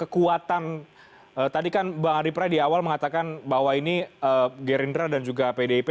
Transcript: kekuatan tadi kan bang adi pray di awal mengatakan bahwa ini gerindra dan juga pdip